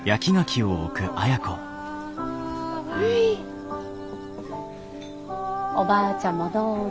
はいおばあちゃんもどうぞ。